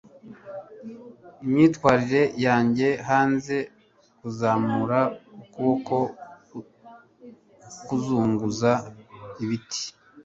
imyitwarire yanjye hanze, kuzamura ukuboko kuzunguza ibiti